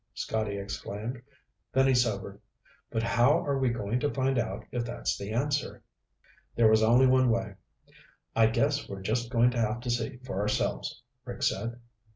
Scotty exclaimed. Then he sobered. "But how are we going to find out if that's the answer?" There was only one way. "I guess we're just going to have to see for ourselves," Rick said.